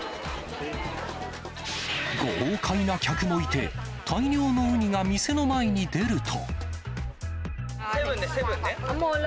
豪快な客もいて、大量のウニが店の前に出ると。